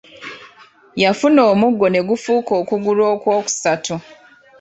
Yafunayo omuggo ne gufuuka okugulu okw'okusatu.